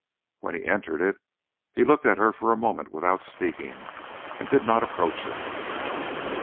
When he entered it, he looked at her for a moment without speaking, and did not approach her.